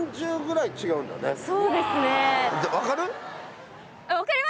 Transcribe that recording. そうですね。